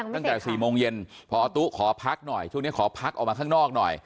ตั้งแต่๔โมงเย็นพอตู้ขอพักหน่อยช่วงนี้ขอพักออกมาข้างนอกหน่อย